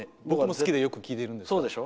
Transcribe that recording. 僕も好きでよく聴いてるので。